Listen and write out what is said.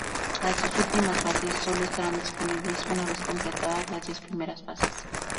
Las dos últimas fases sólo estarán disponibles una vez completadas las diez primeras fases.